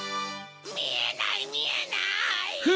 みえないみえない！